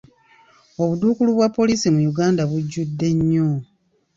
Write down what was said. Obuduukulu bwa poliisi mu Uganda bujjudde nnyo.